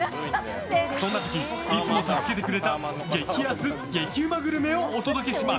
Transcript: そんな時、いつも助けてくれた激安激うまグルメをお届けします。